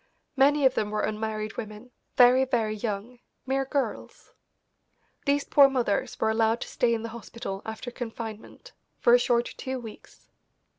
Many of them were unmarried women, very, very young, mere girls. These poor mothers were allowed to stay in the hospital after confinement for a short two weeks.